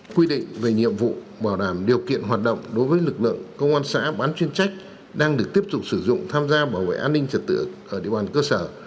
quy định về nhiệm vụ bảo đảm điều kiện hoạt động đối với lực lượng công an xã bán chuyên trách đang được tiếp tục sử dụng tham gia bảo vệ an ninh trật tự ở địa bàn cơ sở